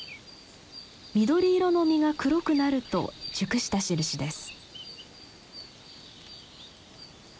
緑色の実が黒くなると熟したしるしです。